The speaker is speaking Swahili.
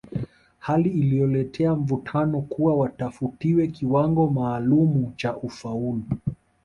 Hali iliyoleta mvutano kuwa watafutiwe kiwango maalumu cha ufaulu